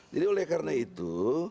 jadi oleh karena itu